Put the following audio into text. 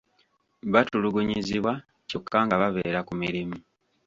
Batulugunyizibwa kyokka nga babeera ku mirimu.